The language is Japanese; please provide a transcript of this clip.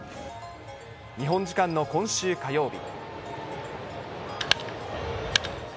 日本時間の今週火曜日。